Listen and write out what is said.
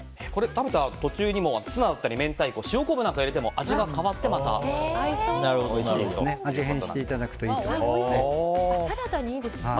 食べた途中にもツナだったり明太子塩昆布などを入れても味が変わって味変していただくとサラダにいいですね。